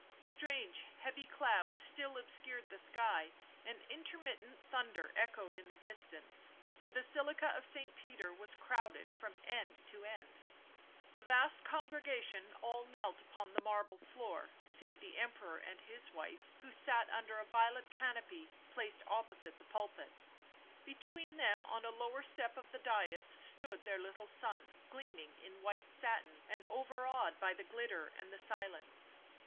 Strange, heavy clouds still obscured the sky, and intermittent thunder echoed in the distance. The Basilica of St. Peter was crowded from end to end. The vast congregation all knelt upon the marble floor, save the Emperor and his wife, who sat under a violet canopy placed opposite the pulpit. Between them, on a lower step of the dais, stood their little son, gleaming in white satin and overawed by the glitter and the silence.